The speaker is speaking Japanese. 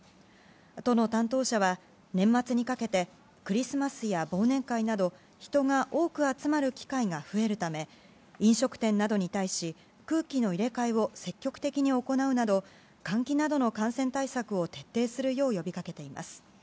都の担当者は、年末にかけてクリスマスや忘年会など人が多く集まる機会が増えるため飲食店などに対し空気の入れ換えを積極的に行うなど換気などの感染対策を徹底するよう呼び掛けています。